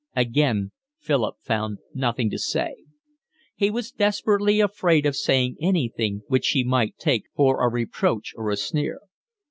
Again Philip found nothing to say. He was desperately afraid of saying anything which she might take for a reproach or a sneer.